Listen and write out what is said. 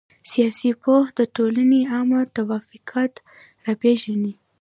سياسي پوهه د ټولني عامه توافقات را پېژني.